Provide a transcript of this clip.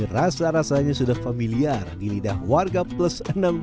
rasa rasanya sudah familiar di lidah warga plus enam puluh